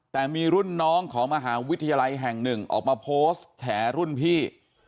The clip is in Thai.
แต่มีรุ่นน้องของมหาวิทยาลัยแห่งหนึ่งออกมาโพสต์แฉรุ่นพี่